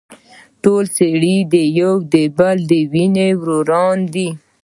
ټول سړي د يو بل د وينې وروڼه دي.